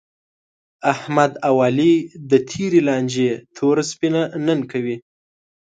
احمد او علي د تېرې لانجې توره سپینه نن کوي.